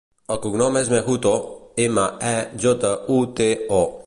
El cognom és Mejuto: ema, e, jota, u, te, o.